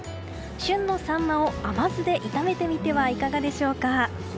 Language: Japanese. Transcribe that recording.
旬のサンマを甘酢で炒めてみてはいかがでしょうか。